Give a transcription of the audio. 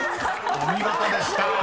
［お見事でした］